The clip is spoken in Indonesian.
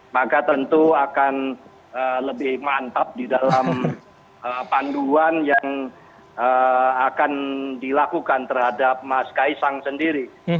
maka tentu akan lebih mantap di dalam panduan yang akan dilakukan terhadap mas kaisang sendiri